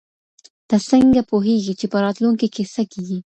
ته څنګه پوهیږې چي په راتلونکي کي څه کیږي؟